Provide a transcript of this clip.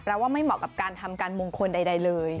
เพราะว่าไม่เหมาะกับการทำการมงคลใดเลย